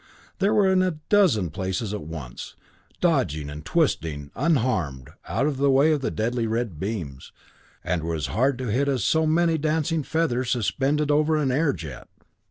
They were in a dozen places at once, dodging and twisting, unharmed, out of the way of the deadly red beams, and were as hard to hit as so many dancing feathers suspended over an air jet.